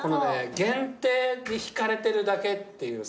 限定に引かれてるだけっていうさ。